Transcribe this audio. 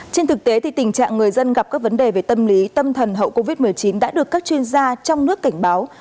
trên thực tế tình trạng người dân gặp các vấn đề về tâm lý tâm thần hậu covid một mươi chín đã được các chuyên gia trong nước cảnh báo